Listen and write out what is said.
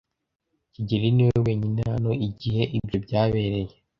kigeli niwe wenyine hano igihe ibyo byabereye.